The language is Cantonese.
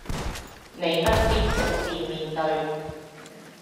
你不必獨自面對